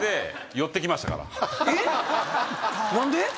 何で？